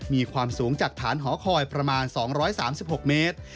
มีความสูงจากฐานหอคอยประมาณ๒๓๖เมตร